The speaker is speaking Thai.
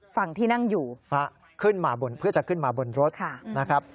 ฝั่งที่นั่งอยู่เพื่อจะขึ้นมาบนรถนะครับ